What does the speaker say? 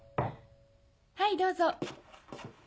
はいどうぞ。